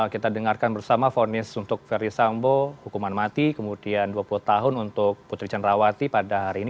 kita dengarkan bersama vonis untuk ferdi sambo hukuman mati kemudian dua puluh tahun untuk putri candrawati pada hari ini